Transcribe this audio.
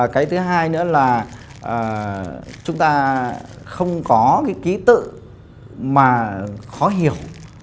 cái thứ hai nữa là chúng ta không có cái ký tự mà khó hiểu